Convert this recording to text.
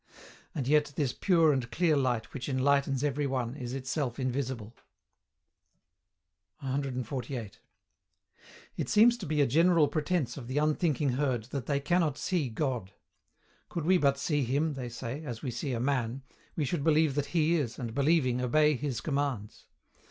And yet this pure and clear light which enlightens every one is itself invisible. 148. It seems to be a general pretence of the unthinking herd that they cannot see God. Could we but see Him, say they, as we see a man, we should believe that He is, and believing obey His commands.